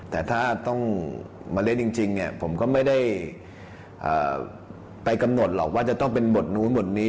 แต่ถ้าต้องมาเล่นจริงเนี่ยผมก็ไม่ได้ไปกำหนดหรอกว่าจะต้องเป็นบทนู้นบทนี้